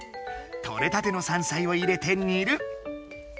とれたての山菜を入れてにる。